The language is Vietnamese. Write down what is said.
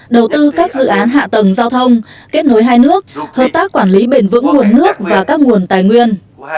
đầu tư các dự án hạ tầng giao thông kết nối hai nước hợp tác quản lý bền vững nguồn nước và các nguồn tài nguyên